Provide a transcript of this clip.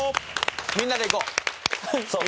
みんなでいこう！